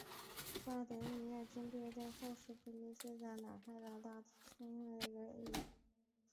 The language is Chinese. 巴耶济德的军队在后世色雷斯中部的埃迪尔内凯尚萨兹勒德雷村与穆斯塔法遭遇。